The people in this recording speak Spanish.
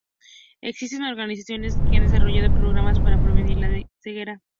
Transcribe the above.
Existen organizaciones que han desarrollado programas para prevenir la ceguera.